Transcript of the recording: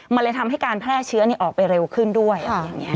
มันเลยทำให้การแพร่เชื้อออกไปเร็วขึ้นด้วยอะไรอย่างนี้